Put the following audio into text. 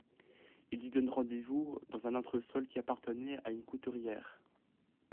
Il lui donne rendez-vous dans un entresol qui appartenait à une couturière.